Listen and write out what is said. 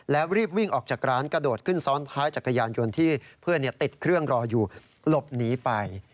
แล้วรีบวิ่งออกจากร้านกระโดดขึ้นซ้อนท้ายจักรยานยนต์ที่เพื่อนติดเครื่องรออยู่หลบหนีไป